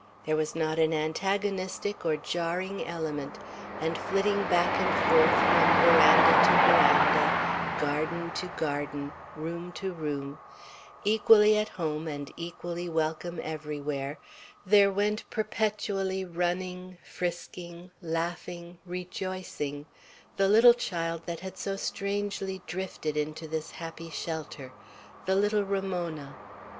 There was not an antagonistic or jarring element; and, flitting back and forth, from veranda to veranda, garden to garden, room to room, equally at home and equally welcome everywhere, there went perpetually, running, frisking, laughing, rejoicing, the little child that had so strangely drifted into this happy shelter, the little Ramona.